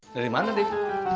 dari mana deh